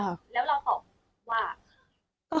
แล้วเราตอบว่า